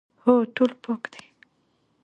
هو، ټول پاک دي